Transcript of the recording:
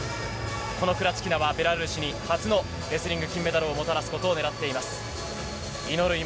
このクラチキナは、ベラルーシに初のレスリング金メダルをもたらすことを祈っています。